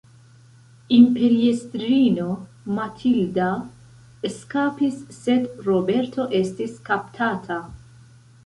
Imperiestrino Matilda eskapis sed Roberto estis kaptata.